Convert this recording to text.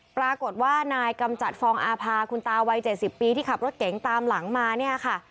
ปรากฏว่านายกำจัดฟองอาภาคุณตาวัย๗๐ปีที่ขับรถเก๋งตามหลังมาเนี่ยค่ะ